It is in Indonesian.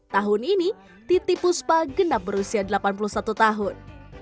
tahun ini titi puspa genap berusia delapan puluh satu tahun